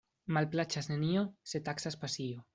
Malplaĉas nenio, se taksas pasio.